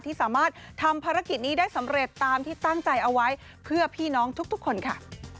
ที่สามารถทำภารกิจนี้ได้สำเร็จตามที่ตั้งใจเอาไว้เพื่อพี่น้องทุกคนค่ะ